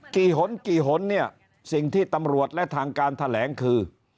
หนกี่หนเนี่ยสิ่งที่ตำรวจและทางการแถลงคือ